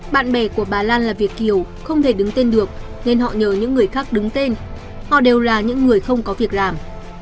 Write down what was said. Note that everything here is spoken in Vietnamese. bạn bè của bà lan là việt kiều không thể đứng tên được nên họ nhờ những người khác đứng tên họ đều là những người không có việc làm